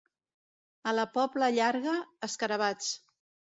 A la Pobla Llarga, escarabats.